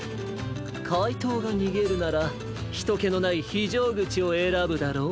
かいとうがにげるならひとけのないひじょうぐちをえらぶだろう？